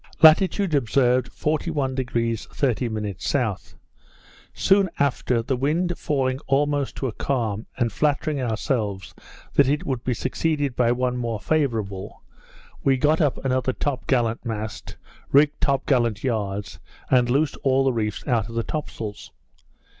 Latitude observed 41° 30' south. Soon after, the wind falling almost to a calm, and flattering ourselves that it would be succeeded by one more favourable, we got up another top gallant mast, rigged top gallant yards, and loosed all the reefs out of the top sails.